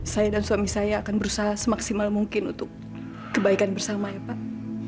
saya dan suami saya akan berusaha semaksimal mungkin untuk kebaikan bersama ya pak